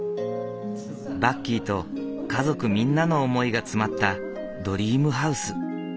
バッキーと家族みんなの思いが詰まったドリームハウス。